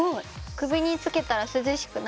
首に着けたら涼しくなるやつ。